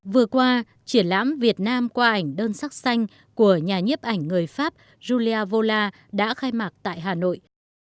vừa qua triển lãm việt nam qua ảnh đơn sắc xanh của nhà nhiếp ảnh người pháp julia đã khai mạc tại hà nội